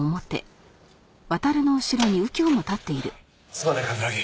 すまない冠城。